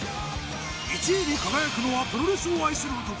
１位に輝くのはプロレスを愛する男